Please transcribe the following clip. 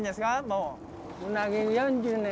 もう。